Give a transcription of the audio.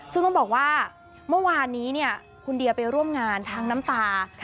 ซึ่งต้องบอกว่าเมื่อวานนี้คุณเดียไปร่วมงานช้างน้ำตา